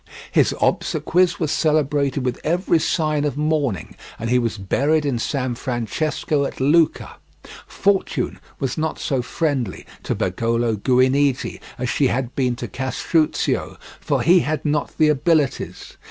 His obsequies were celebrated with every sign of mourning, and he was buried in San Francesco at Lucca. Fortune was not so friendly to Pagolo Guinigi as she had been to Castruccio, for he had not the abilities.